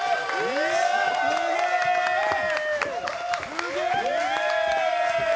すげえ！